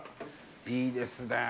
いいですね。